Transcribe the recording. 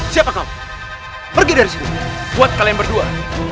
siapa kau pergi dari sini buat kalian berdua